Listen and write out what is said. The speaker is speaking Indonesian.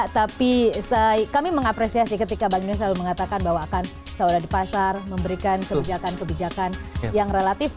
tapi kami mengapresiasi ketika bank indonesia selalu mengatakan bahwa akan selalu ada di pasar memberikan kebijakan kebijakan yang relatif